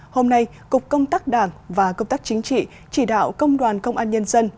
hôm nay cục công tác đảng và công tác chính trị chỉ đạo công đoàn công an nhân dân